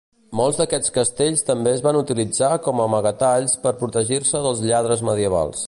Molts d"aquests castells també es van utilitzar com a amagatalls per protegir-se dels lladres medievals.